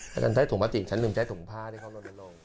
แต่ถ้าถุงประติกฉันลืมใช้ถุงพ่าได้ข้อมูลมาลง